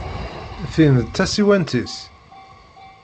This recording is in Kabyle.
Tin d tasiwant-is?